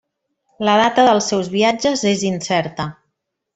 La data dels seus viatges és incerta.